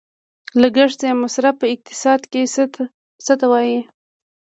لګښت یا مصرف په اقتصاد کې څه ته وايي؟